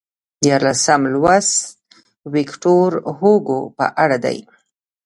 دیارلسم لوست ویکتور هوګو په اړه دی.